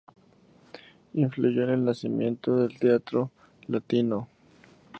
Influyó en el nacimiento del teatro latino.